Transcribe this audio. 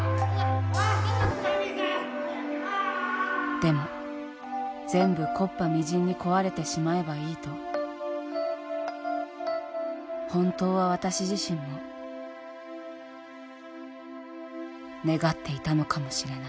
でも全部木っ端みじんに壊れてしまえばいいと本当は私自身も願っていたのかもしれない。